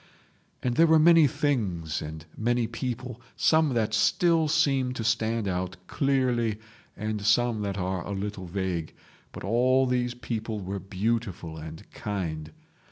And there were many things and many people, some that still seem to stand out clearly and some that are a little vague, but all these people were beautiful and kind.